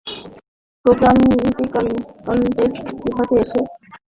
Programming contest কীভাবে হবে তাই ভাবছি।